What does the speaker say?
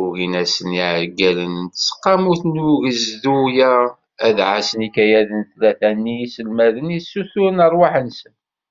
Ugin-asen yiɛeggalen n tseqqamut n ugezdu-a, ad ɛassen ikayaden tlata-nni n yiselmaden, i ssuturen rrwaḥ-nsen.